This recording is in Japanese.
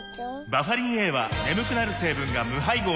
バファリンＡは眠くなる成分が無配合なんです